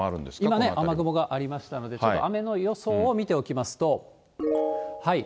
今ね、雨雲がありましたので、ちょっと雨の予想を見ておきますと。